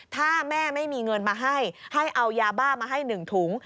ถ้าแม่ไม่มีเงินมาให้ให้เอายาบ้ามาให้๑ถุง